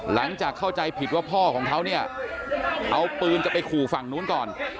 หลังจากเข้าใจผิดว่าพ่อของเขาเนี่ยเอาปืนจะไปขู่ฝั่งนู้นก่อน